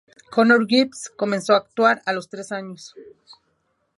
Connor Gibbs comenzó a actuar a los tres años.